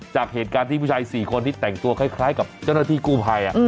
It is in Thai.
จากเหตุการณ์ที่ผู้ชาย๔คนที่แต่งตัวคล้ายกับเจ้าหน้าที่กู้ภัย